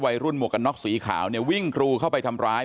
หมวกกันน็อกสีขาวเนี่ยวิ่งกรูเข้าไปทำร้าย